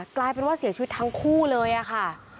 กลายเป็นว่าเสียชีวิตทั้งคู่เลยค่ะ